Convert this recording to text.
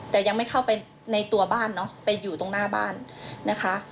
แต่ยังไม่เข้าไปในตัวบ้านเนาะไปอยู่ตรงหน้าบ้านนะคะ